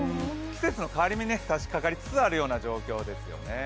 季節の変わり目にさしかかりつつある状況ですね。